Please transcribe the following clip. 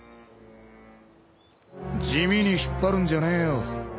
地味に引っ張るんじゃねえよ。